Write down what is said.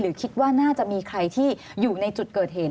คิดว่าน่าจะมีใครที่อยู่ในจุดเกิดเหตุ